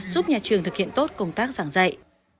giúp nhà trường thực hiện tốt công tác giảng dạy